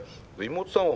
妹さん